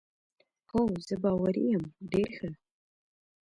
هو، زه باوري یم، ډېر ښه.